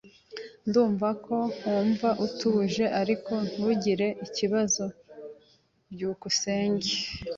Ndumva ko wumva utuje, ariko ntugire ikibazo. byukusenge